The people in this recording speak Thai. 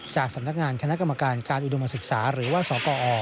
จากสำนักงานคณะกรรมการการอุดมศึกษาหรือว่าสกอ